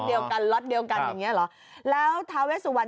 นี่เนี่ยไม่คือหา